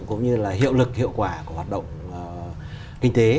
cũng như là hiệu lực hiệu quả của hoạt động kinh tế